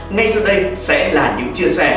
ngay sau đây sẽ là những chia sẻ